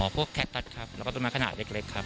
พวกแคตตัสครับแล้วก็ต้นไม้ขนาดเล็กครับ